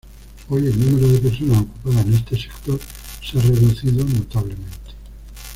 Hoy el número de personas ocupadas en este sector se ha reducido notablemente.